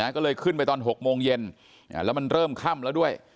ก็เลยขึ้นไปตอน๖โมงเย็นแล้วมันเริ่มค่ำแล้วด้วย